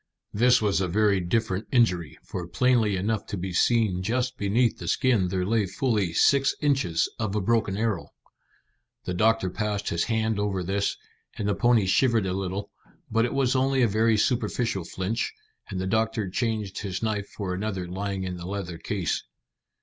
This was a very different injury, for plainly enough to be seen just beneath the skin there lay fully six inches of a broken arrow. The doctor passed his hand over this, and the pony shivered a little; but it was only a very superficial flinch, and the doctor changed his knife for another lying in the leather case.